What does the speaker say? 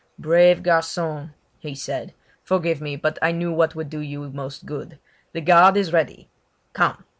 "Brave garçon!" he said. "Forgive me, but I knew what would do you most good. The guard is ready. Come!"